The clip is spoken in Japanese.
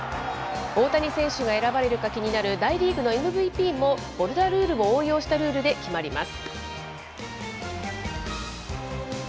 大谷選手が選ばれるか気になる大リーグのＭＶＰも、ボルダルールを応用したルールで決まります。